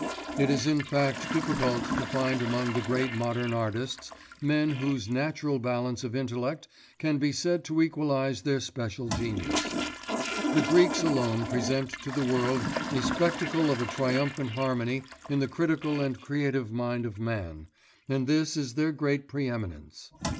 It is in fact difficult to find among the great modern artists men whose natural balance of intellect can be said to equalise their special genius. The Greeks alone present to the world a spectacle of a triumphant harmony in the critical and creative mind of man, and this is their great pre eminence.